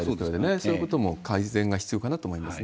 そういうことも改善が必要かなと思いますね。